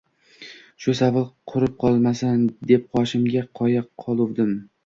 Shu savil qurib qolmasin, deb qoshimga qo‘ya qoluvdim.